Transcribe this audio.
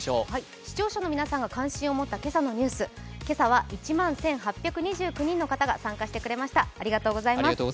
視聴者の皆さんが関心を持った今朝のニュース、今朝は１万１８２９人の方が参加してくれました、ありがとうございます。